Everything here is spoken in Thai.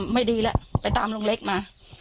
ไม่ดีแล้วไปตามลุงเล็กมา